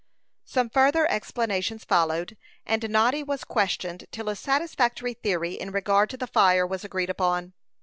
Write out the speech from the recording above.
Some further explanations followed, and Noddy was questioned till a satisfactory theory in regard to the fire was agreed upon.